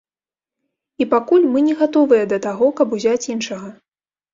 І пакуль мы не гатовыя да таго, каб узяць іншага.